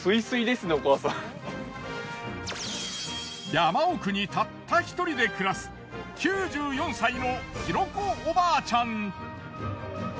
山奥にたった１人で暮らす９４歳の大子おばあちゃん。